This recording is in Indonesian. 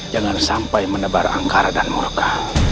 jangan sampai menebar angkar dan murka